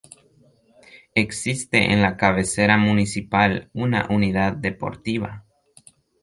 Existe en la cabecera municipal una Unidad Deportiva.